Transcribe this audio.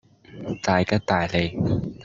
大吉大利